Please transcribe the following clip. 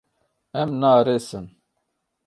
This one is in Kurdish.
Em naarêsin.